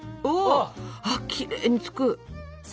わきれいにつく。